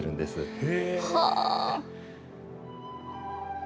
へえ。